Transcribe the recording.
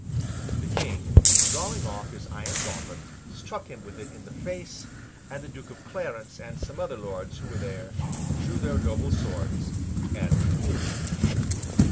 The King, drawing off his iron gauntlet, struck him with it in the face; and the Duke of Clarence and some other lords, who were there, drew their noble swords, and killed him.